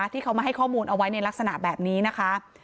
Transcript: ที่เขามาให้ข้อมูลเอาไว้ในลักษณะแบบนี้นะคะ